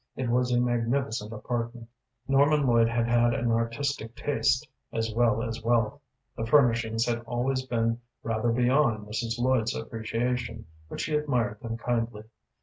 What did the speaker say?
It was a magnificent apartment. Norman Lloyd had had an artistic taste as well as wealth. The furnishings had always been rather beyond Mrs. Lloyd's appreciation, but she admired them kindly.